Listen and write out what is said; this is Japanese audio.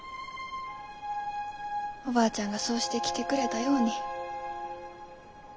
おばあちゃんがそうしてきてくれたように。